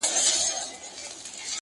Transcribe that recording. o چي زه او ته راضي، ښځه غيم د قاضي٫